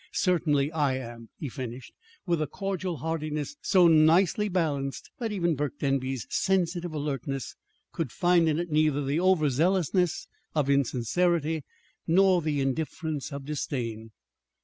"Certainly I am," he finished, with a cordial heartiness so nicely balanced that even Burke Denby's sensitive alertness could find in it neither the overzealousness of insincerity nor the indifference of disdain.